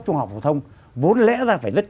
trung học phổ thông vốn lẽ ra phải rất